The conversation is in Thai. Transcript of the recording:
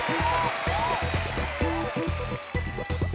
พี่หลุยกับพี่พศใช่ไหมครับใช่เพราะเขาดูเป็นผู้ใหญ่